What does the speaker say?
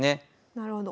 なるほど。